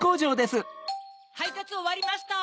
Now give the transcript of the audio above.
はいたつおわりました。